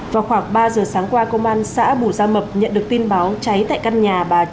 vào khoảng ba giờ sáng qua công an xã bù gia mập nhận được tin báo cháy tại căn nhà bà